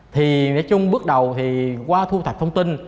thì nói chung bước đầu thì qua thu thập thông tin